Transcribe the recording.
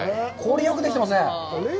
よくできてますね。